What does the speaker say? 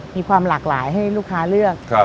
มีความหลากหลายให้ลูกค้าเลือก